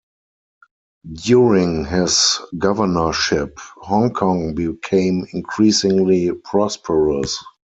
During his governorship, Hong Kong became increasingly prosperous.